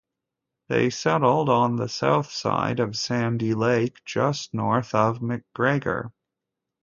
They settled on the south side of Sandy Lake, just north of McGregor.